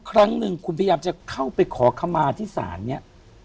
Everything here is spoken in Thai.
ครั้งหนึ่งคุณพยายามจะเข้าไปขอขมาที่ศาลเนี่ย